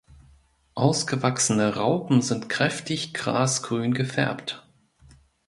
Ausgewachsene Raupen sind kräftig grasgrün gefärbt.